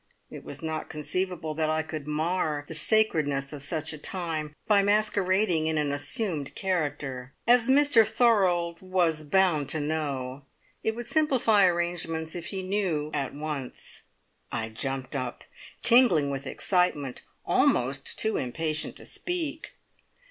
It was not conceivable that I could mar the sacredness of such a time by masquerading in an assumed character. As Mr Thorold was bound to know, it would simplify arrangements if he knew at once! I jumped up; tingling with excitement, almost too impatient to speak.